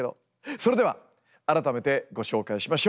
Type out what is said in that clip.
それでは改めてご紹介しましょう。